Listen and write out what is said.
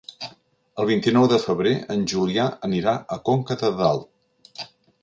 El vint-i-nou de febrer en Julià anirà a Conca de Dalt.